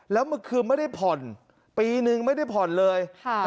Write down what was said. แล้วเมื่อคืนไม่ได้ผ่อนปีนึงไม่ได้ผ่อนเลย